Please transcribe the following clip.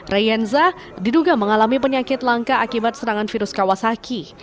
reyenza diduga mengalami penyakit langka akibat serangan virus kawasaki